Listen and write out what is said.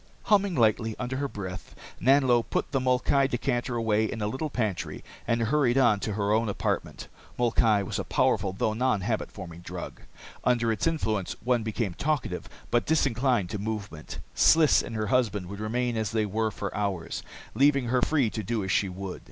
Humming lightly under her breath, Nanlo put the molkai decanter away in a little pantry and hurried on to her own apartment. Molkai was a powerful, though non habit forming drink. Under its influence one became talkative, but disinclined to movement. Sliss and her husband would remain as they were for hours, leaving her free to do as she would.